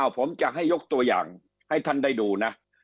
ผมจะให้ยกตัวอย่างให้ท่านได้ดูนะ